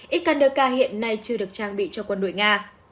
iskander k hiện nay chưa được trang bị cho quân đội nga